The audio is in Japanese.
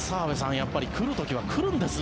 やっぱり来る時は来るんですね。